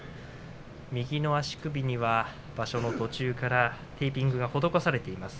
右の足首には場所の途中からテーピングが施されています。